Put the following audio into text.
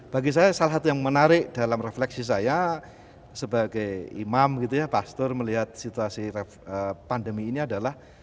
bagi saya salah satu yang menarik dalam refleksi saya sebagai imam gitu ya pastor melihat situasi pandemi ini adalah